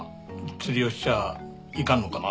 釣りをしちゃいかんのかな？